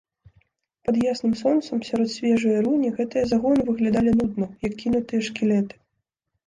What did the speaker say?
Пад ясным сонцам, сярод свежае руні гэтыя загоны выглядалі нудна, як кінутыя шкілеты.